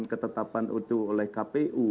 ketetapan itu oleh kpu